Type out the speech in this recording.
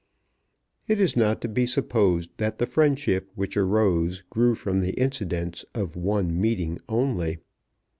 It is not to be supposed that the friendship which arose grew from the incidents of one meeting only.